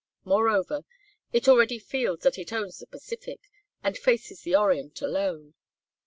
Moreover, it already feels that it owns the Pacific, and faces the Orient alone.